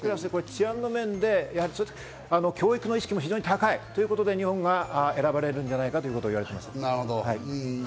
治安の面で教育の意識も非常に高いということで日本が選ばれるんじゃないかといわれています。